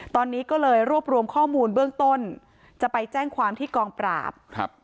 ตอนนี้ก็เลยรวบรวมข้อมูลเบื้องต้นจะไปแจ้งความที่กองปราบครับ